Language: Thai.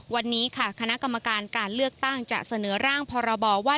วันนี้ค่ะคณะกรรมการการเลือกตั้งจะเสนอร่างพรบว่า